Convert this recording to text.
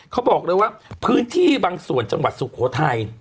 เขาบอกเลยว่าพื้นที่บางส่วนจังหวัดสุโขทัย